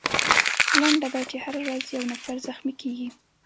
لنډه دا چې هره ورځ یو نفر زخمي کیږي.